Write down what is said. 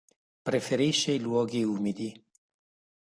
Preferisce luoghi umidi.